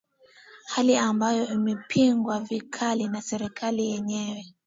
hali ambayo imepingwa vikali na serikali yenyewe